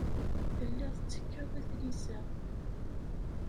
Telliḍ tettekkeḍ i tlisa.